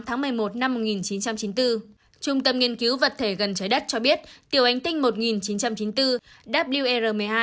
trung tâm nghiên cứu vật thể gần trái đất cho biết tiểu hành tinh một nghìn chín trăm chín mươi bốn wer một mươi hai